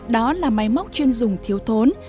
đó là máy móc chuyên dùng thiếu thốn